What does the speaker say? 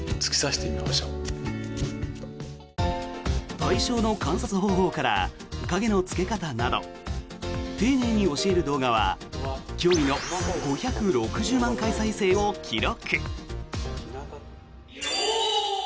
対象の観察方法から影のつけ方など丁寧に教える動画は驚異の５６０万回再生を記録。